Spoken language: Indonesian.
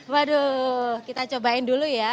waduh kita cobain dulu ya